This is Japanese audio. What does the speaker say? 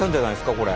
これ。